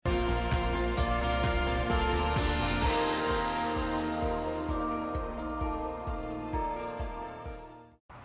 tapi itu sudah diperbaiki